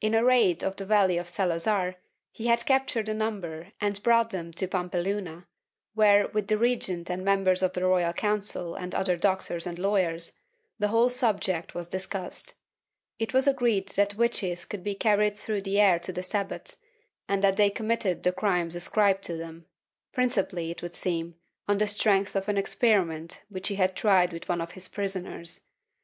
In a raid on the valley of Salazar he had captured a number and brought them to Pampeluna where, with the regent and members of the Royal Council and other doctors and lawyers, the whole subject was discussed; it was agreed that witches could be carried through the air to the Sabbat, and that they committed the crimes ascribed to them— principally, it would seem, on the strength of an experiment which he had tried with one of his prisoners.